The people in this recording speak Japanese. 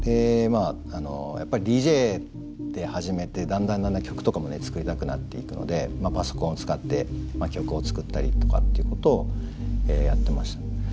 やっぱりＤＪで始めてだんだんだんだん曲とかも作りたくなっていくのでパソコンを使って曲を作ったりとかっていうことをやってました。